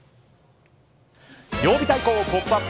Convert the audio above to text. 曜日対抗「ポップＵＰ！」